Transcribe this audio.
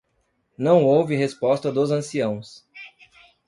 Não houve resposta dos anciãos.